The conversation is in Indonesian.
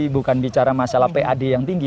bukan bicara masalah pad yang tinggi